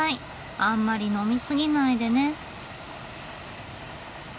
あんまり呑みすぎないでね。